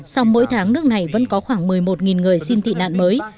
sau mỗi tháng nước này vẫn có khoảng một mươi một người xin tị nạn mới